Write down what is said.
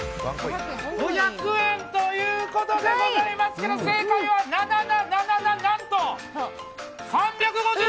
５００円ということでございますけど正解はな、な、何と３５０円！